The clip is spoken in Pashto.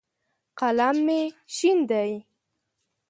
قلم مې شین دی.